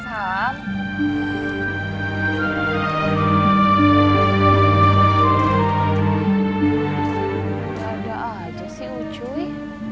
udah udah aja sih cuy